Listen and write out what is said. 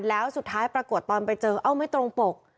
แล้วสุดท้ายปรากฏตอนไปเจอเอ้าไม่ตรงปก